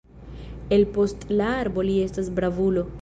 El post la arbo li estas bravulo.